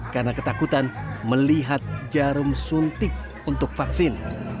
karena ketakutan melihat jarum suntik untuk vaksin